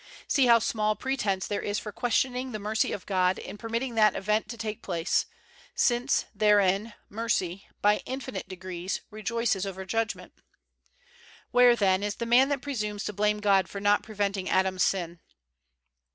See how small pretense there is for questioning the mercy of God in permitting that event to take place, since, therein, mercy, by infinite degrees, re joices over judgment! Where, then, is the man that presumes to blame God for not preventing Adam's sin?